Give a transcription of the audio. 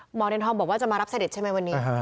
หมอเรือนทองบอกว่าจะมารับเสด็จใช่ไหมวันนี้